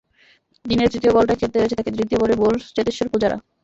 দিনের তৃতীয় বলটাই খেলতে হয়েছে তাঁকে, দ্বিতীয় বলেই বোল্ড চেতেশ্বর পূজারা।